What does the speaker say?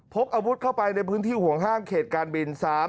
กอาวุธเข้าไปในพื้นที่ห่วงห้ามเขตการบิน